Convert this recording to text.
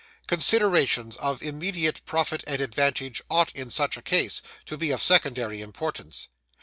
Considerations of immediate profit and advantage ought in such a case to be of secondary importance.